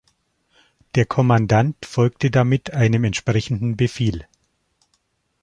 Der Kommandant folgte damit einem entsprechenden Befehl.